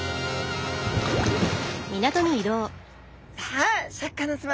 さあシャーク香音さま